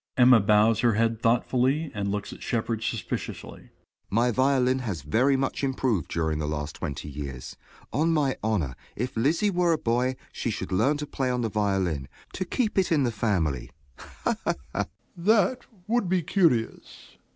(Emma bows her head thoughtfully, and looks at Shepard suspiciously.) JOHN S. My violin has very much improved during the last twenty years. On my honor, if Lizzie were a boy, she should learn to play on the violin, to keep it in the family. Ha, ha, ha! DOMINIE. That would be curious!